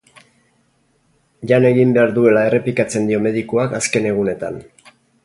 Jan egin behar duela errepikatzen dio medikuak azken egunetan.